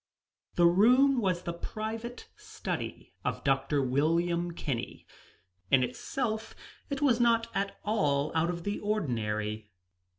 The room was the private study of Dr. William Kinney. In itself, it was not at all out of the ordinary.